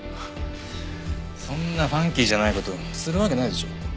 そんなファンキーじゃない事するわけないでしょ。